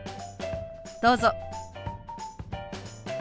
どうぞ。